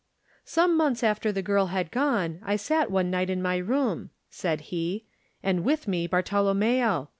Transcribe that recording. "Some months after the girl had gone I sat one night in my room," said he, "aad with me Bartolommeo.